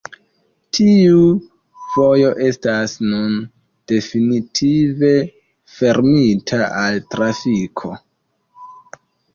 Tiu vojo estas nun definitive fermita al trafiko.